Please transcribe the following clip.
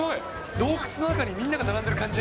洞窟の中にみんなが並んでる感じ。